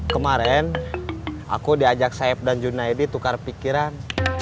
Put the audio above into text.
kemaren aku diajak saeb dan junaedi tukar pikiran